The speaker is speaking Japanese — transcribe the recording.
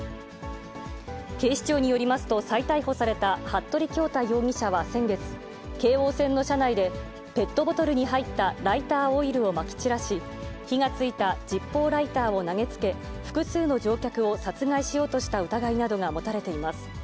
警視庁によりますと、再逮捕された服部恭太容疑者は先月、京王線の車内で、ペットボトルに入ったライターオイルをまき散らし、火がついたジッポーライターを投げつけ、複数の乗客を殺害しようとした疑いなどが持たれています。